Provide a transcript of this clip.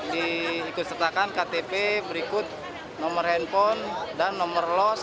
diikut sertakan ktp berikut nomor handphone dan nomor loss